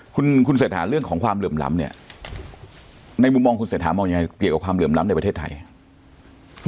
คุณคุณเศรษฐาเรื่องของความเหลื่อมล้ำเนี่ยในมุมมองคุณเศรษฐามองยังไงเกี่ยวกับความเหลื่อมล้ำในประเทศไทยครับ